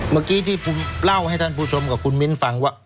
เมื่อกี้ที่ผมเล่าให้ท่านผู้ชมกับคุณมิ้นฟังว่า